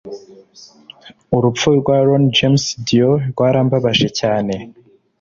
Urupfu rwa Ronnie James Dio rwarambabaje cyane.